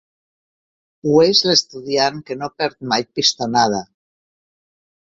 Ho és l'estudiant que no perd mai pistonada.